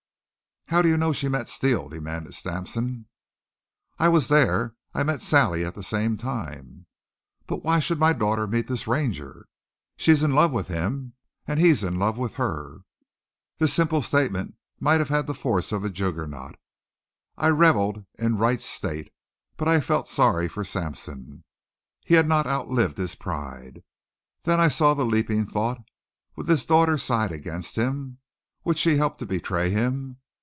"How do you know she met Steele?" demanded Sampson. "I was there. I met Sally at the same time." "But why should my daughter meet this Ranger?" "She's in love with him and he's in love with her." The simple statement might have had the force of a juggernaut. I reveled in Wright's state, but I felt sorry for Sampson. He had not outlived his pride. Then I saw the leaping thought would this daughter side against him? Would she help to betray him?